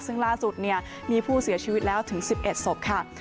ซึ่งล่าสุดมีผู้เสียชีวิตแล้วถึง๑๑ศพค่ะ